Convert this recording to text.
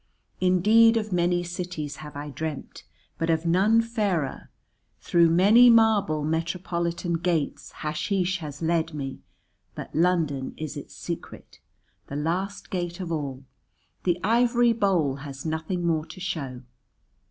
"Indeed of many cities have I dreamt but of none fairer, through many marble metropolitan gates hasheesh has led me, but London is its secret, the last gate of all; the ivory bowl has nothing more to show.